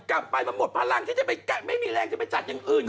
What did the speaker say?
กลับไปมันหมดพลังที่จะไม่มีแรงจะไปจัดอย่างอื่น